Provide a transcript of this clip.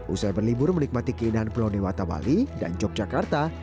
usai berlibur menikmati keindahan pulau dewata bali dan yogyakarta